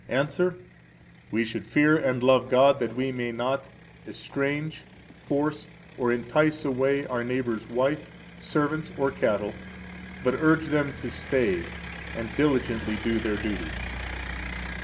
–Answer: We should fear and love God that we may not estrange, force, or entice away our neighbor's wife, servants, or cattle, but urge them to stay and [diligently] do their duty.